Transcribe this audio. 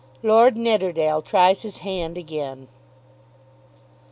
LORD NIDDERDALE TRIES HIS HAND AGAIN.